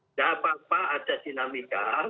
tidak apa apa ada dinamika